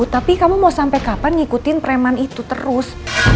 tapi kamu mau sampai kapan ngikutin preman itu terus